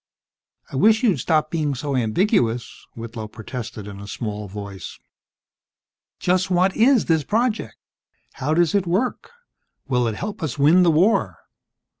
"I wish you'd stop being so ambiguous," Whitlow protested in a small voice. "Just what is this project? How does it work? Will it help us win the war?"